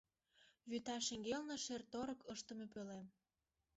Вӱта шеҥгелне шӧр-торык ыштыме пӧлем.